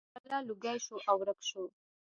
بلا لوګی شو او ورک شو.